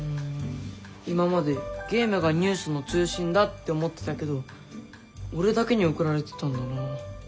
今までゲームがニュースの中心だって思ってたけど俺だけに送られてたんだな。